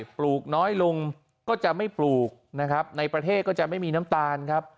ปลูกน้อยลงก็จะไม่ปลูกนะครับในประเทศก็จะไม่มีน้ำตาลครับ